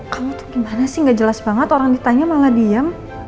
kamu tuh gimana sih gak jelas banget orang ditanya malah diam